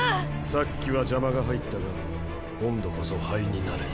さっきは邪魔が入ったが今度こそ灰になれ。